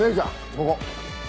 ここ。